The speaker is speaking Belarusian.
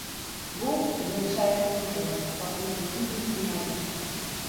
Воўк змяншае свой гон, пакуль зусім не спыняецца.